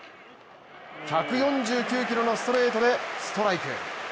１４９キロのストレートでストライク。